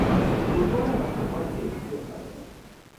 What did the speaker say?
Football আর basketball বেশ প্রিয় তাঁর।